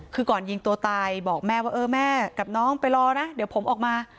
คือก่อนยิงตัวตายบอกแม่ว่าเออแม่กับน้องไปรอนะเดี๋ยวผมออกมา